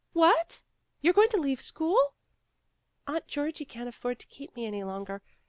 "What! You're going to leave school?" "Aunt Georgie can't afford to keep me any longer.